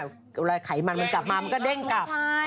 เวลาไขมันมันกลับมามันก็เด้งกลับ